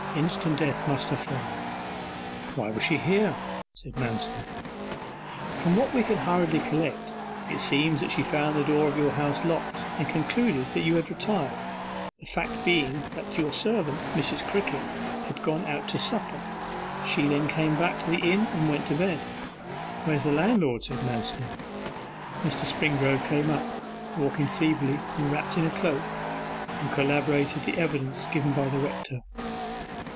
Instant death must have followed.' 'Why was she here?' said Manston. 'From what we can hurriedly collect, it seems that she found the door of your house locked, and concluded that you had retired, the fact being that your servant, Mrs. Crickett, had gone out to supper. She then came back to the inn and went to bed.' 'Where's the landlord?' said Manston. Mr. Springrove came up, walking feebly, and wrapped in a cloak, and corroborated the evidence given by the rector.